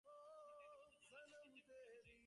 কিন্তু ইতোমধ্যে জিনিষের দাম তিন চার গুণ বেড়ে গেছে।